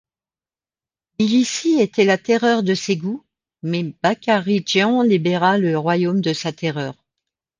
Bilissi était la terreur de Ségou, mais Bakaridjan libéra le royaume de sa terreur.